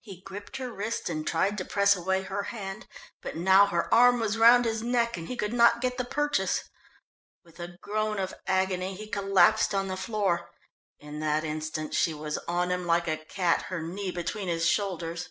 He gripped her wrist and tried to press away her hand, but now her arm was round his neck, and he could not get the purchase. With a groan of agony he collapsed on the floor. In that instant she was on him like a cat, her knee between his shoulders.